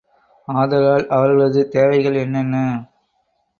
ஆதலால், அவர்களது தேவைகள் என்னென்ன?